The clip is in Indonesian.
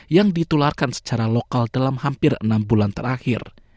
yang ditularkan secara lokal dalam hampir enam bulan terakhir